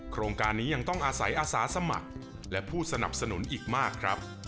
โครงการนี้ยังต้องอาศัยอาสาสมัครและผู้สนับสนุนอีกมากครับ